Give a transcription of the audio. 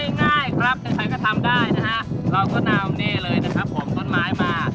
ง่ายผู้ชมทุกคนจะทำได้เราก็นำต้นไม้มา